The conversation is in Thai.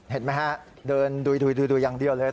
เห็นไหมฮะเดินดุยอย่างเดียวเลย